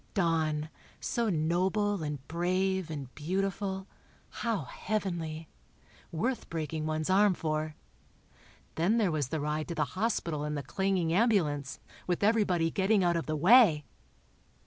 Don, so noble and brave and beautiful—how heavenly—worth breaking one's arm for. Then there was the ride to the hospital in the clanging ambulance, with everybody getting out of the way!